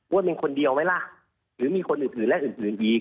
เป็นคนเดียวไหมล่ะหรือมีคนอื่นและอื่นอีก